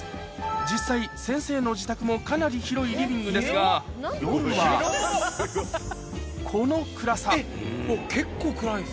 実際先生の自宅もかなり広いリビングですが夜はこの暗さ結構暗いです。